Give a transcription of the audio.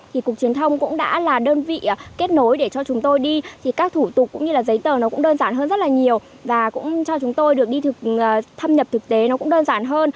thì cục truyền thông cũng đã là đơn vị kết nối để cho chúng tôi đi thì các thủ tục cũng như là giấy tờ nó cũng đơn giản hơn rất là nhiều và cũng cho chúng tôi được đi thâm nhập thực tế nó cũng đơn giản hơn